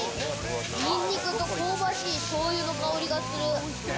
ニンニクと香ばしいしょうゆの香りがする。